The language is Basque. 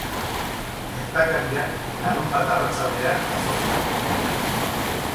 Gertakariak larunbat arratsaldean jazo ziren.